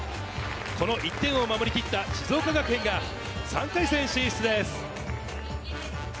この１点を守りきった静岡学園が３回戦進出です。